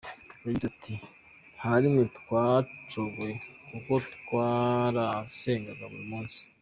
Yagize ati “Nta na rimwe twacogoye kuko twarasengaga buri munsi.